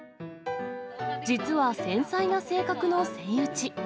実は繊細な性格のセイウチ。